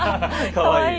かわいい。